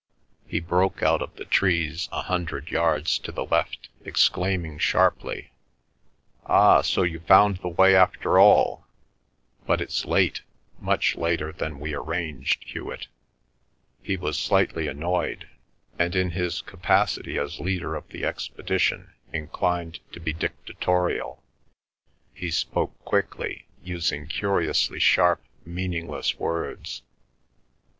He broke out of the trees a hundred yards to the left, exclaiming sharply: "Ah, so you found the way after all. But it's late—much later than we arranged, Hewet." He was slightly annoyed, and in his capacity as leader of the expedition, inclined to be dictatorial. He spoke quickly, using curiously sharp, meaningless words.